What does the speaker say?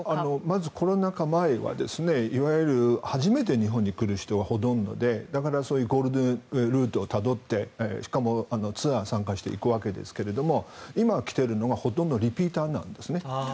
まず、コロナ禍前はいわゆる初めて日本に来る人がほとんどで、だからそういうゴールデンルートをたどってしかも、ツアーに参加して行くわけですけども今、来ているのはほとんどリピーターなんですね。